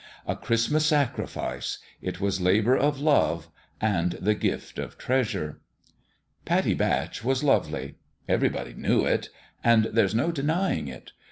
A Christmas sacrifice : it was labour of love and the gift of treasure. Pattie Batch was lovely. Everybody knew it ; and there's no denying it.